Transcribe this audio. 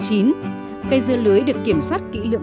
cây dưa lưới được kiểm soát kỹ lượng